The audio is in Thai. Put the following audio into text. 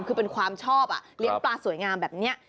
คือเป็นความชอบเลี้ยงปลาสวยงามแบบนี้